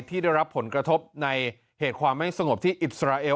ที่ได้รับผลกระทบในเหตุความไม่สงบที่อิสราเอล